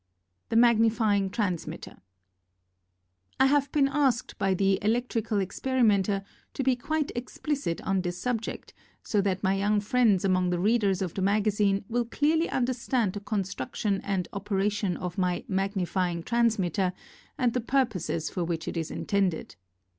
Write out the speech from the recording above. The Magnifying Transmitter. I have been asked by the Electrical Ex perimenter to be quite explicit on this sub ject so that my young friends among the readers of the magazine will clearly under stand the construction and operation of my "Magnifying Transmitter" and the pur poses for which it is intended.